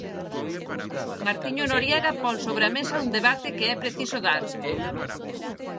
Martiño Noriega pon sobre a mesa un debate que é preciso dar.